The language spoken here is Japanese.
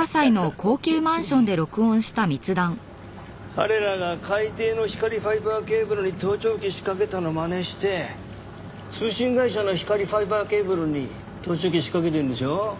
彼らが海底の光ファイバーケーブルに盗聴器仕掛けたのまねして通信会社の光ファイバーケーブルに盗聴器仕掛けてるんでしょ？